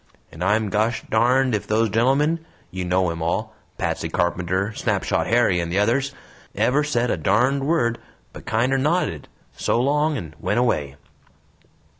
And I'm gosh darned ef those GENTLEMEN you know 'em all Patsey Carpenter, Snapshot Harry, and the others ever said a darned word, but kinder nodded 'So long' and went away!"